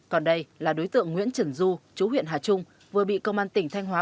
còn đây là đối tượng nguyễn trần du chú huyện hà trung vừa bị công an tỉnh thanh hóa